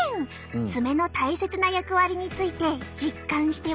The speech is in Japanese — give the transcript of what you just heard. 爪の大切な役割について実感してもらうよ。